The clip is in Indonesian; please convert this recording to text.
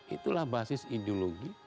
itulah basis ideologi